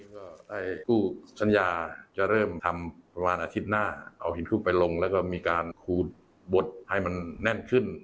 ก็ได้กู้สัญญาจะเริ่มทำประมาณอาทิตย์หน้าเอาหินคลุกไปลงแล้วก็มีการขูดบดให้มันแน่นขึ้น